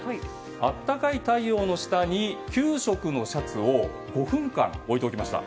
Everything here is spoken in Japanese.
暖かい太陽の下に９色のシャツを５分間置いておきました。